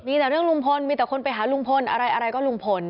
มีแต่เรื่องลุงพลมีแต่คนไปหาลุงพลอะไรอะไรก็ลุงพล